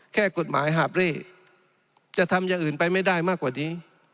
แค่กฎหมายหาบเร่จะทำอย่างอื่นไปไม่ได้มากกว่านี้